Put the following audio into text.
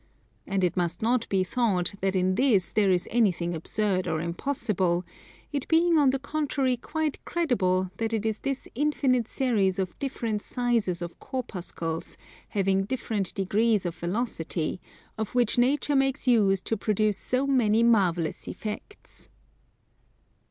And it must not be thought that in this there is anything absurd or impossible, it being on the contrary quite credible that it is this infinite series of different sizes of corpuscles, having different degrees of velocity, of which Nature makes use to produce so many marvellous effects.